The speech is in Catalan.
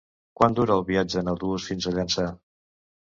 Quant dura el viatge en autobús fins a Llançà?